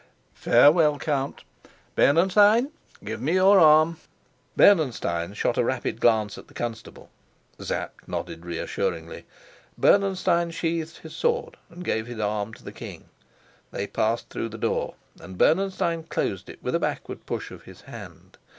Farewell, Count. Bernenstein, give me your arm." Bernenstein shot a rapid glance at the constable. Sapt nodded reassuringly. Bernenstein sheathed his sword and gave his arm to the king. They passed through the door, and Bernenstein closed it with a backward push of his hand.